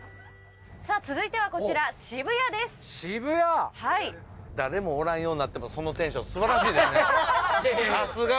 続いてはこちら渋谷です。